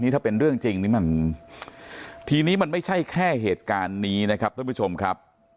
ถ้าเป็นเรื่องจริงนี่มันทีนี้มันไม่ใช่แค่เหตุการณ์นี้นะครับท่านผู้ชมครับ